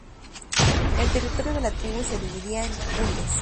El territorio de la tribu se dividía en curias.